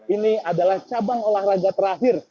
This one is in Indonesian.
ini adalah cabang olahraga terakhir